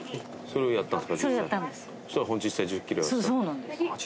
それをやったんですか。